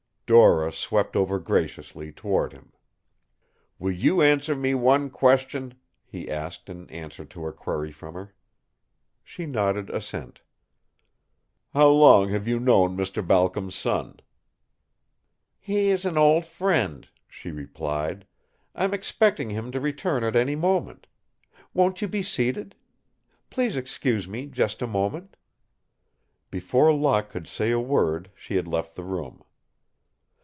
Dora swept over graciously toward him. "Will you answer me one question?" he asked, in answer to a query from her. She nodded assent. "How long have you known Mr. Balcom's son?" "He is an old friend," she replied. "I'm expecting him to return at any moment. Won't you be seated? Please excuse me just a moment." Before Locke could say a word she had left the room.